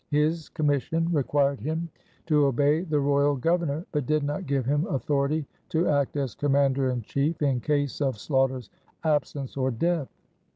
His commission required him to obey the royal Governor, but did not give him authority to act as commander in chief in case of Sloughter's absence or death.